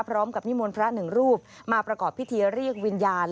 นิมนต์พระหนึ่งรูปมาประกอบพิธีเรียกวิญญาณ